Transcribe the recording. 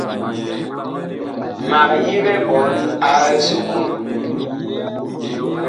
Mag yigɛ ɓɔɔn a esukulu.